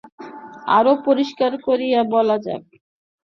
আরও পরিষ্কার করিয়া বলা যাক।